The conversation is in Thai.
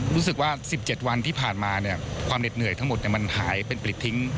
รู้สึกว่า๑๗วันที่ผ่านมาความเหน็ดเหนื่อยทั้งหมดมันหายเป็นปลิดทิ้ง